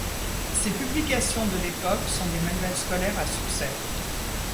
Ses publications de l'époque sont des manuels scolaires à succès.